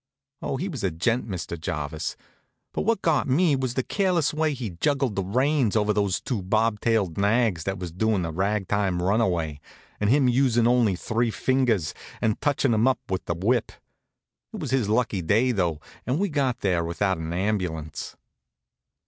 Oh, he was a gent, Mr. Jarvis. But what got me was the careless way he juggled the reins over those two bob tailed nags that was doin' a ragtime runaway, and him usin' only three fingers, and touchin' 'em up with the whip. It was his lucky day, though, and we got there without an ambulance.